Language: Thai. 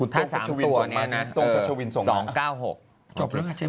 ถ้า๓ตัวเนี่ยนะ๒๙๖